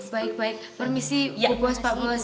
baik baik permisi bu bos pak bos